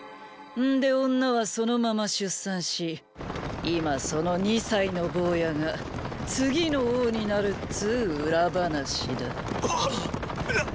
んで女はそのまま出産し今その二歳の坊やが次の王になるっつー裏話だ。っ！！